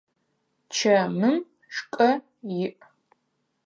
Чэмым шкӏэ иӏ.